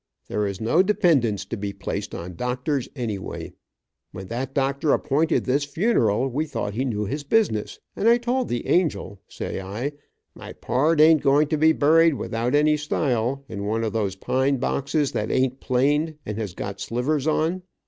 There is no dependence to be placed on doctors, anyway. When that doctor appointed this funeral, we thought he knew his business, and I told the angel, say I, 'My pard ain't going to be buried without any style, in one of those pine boxes that ain't planed, and has got slivers on.'